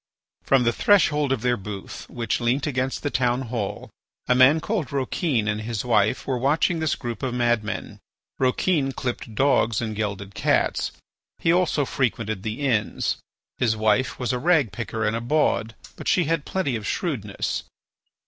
From the threshold of their booth, which leant against the town hall, a man called Rouquin and his wife were watching this group of madmen. Rouquin clipped dogs and gelded cats; he also frequented the inns. His wife was a ragpicker and a bawd, but she had plenty of shrewdness.